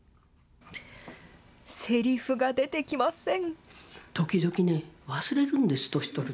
せりふが出てきません。